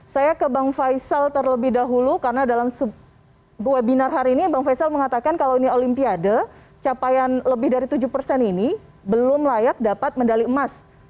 saya ke bang faisal terlebih dahulu karena dalam webinar hari ini bang faisal mengatakan kalau ini olimpiade capaian lebih dari tujuh persen ini belum layak dapat medali emas